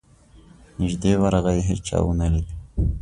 نیژدې ورغی هېچا ونه لید.